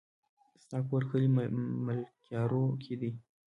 ستا کور کلي ملكيارو کې دی؟